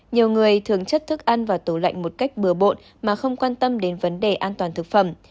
nhiều người thường chất thức ăn và tủ lạnh một cách bừa bộn mà không quan tâm đến vấn đề an toàn thực phẩm